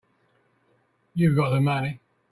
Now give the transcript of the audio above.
You've got the money.